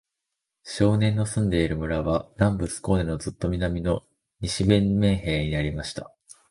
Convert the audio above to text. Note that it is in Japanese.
少年の住んでいる村は、南部スコーネのずっと南の、西ヴェンメンヘーイにありました。